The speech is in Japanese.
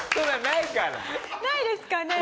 ないですかね？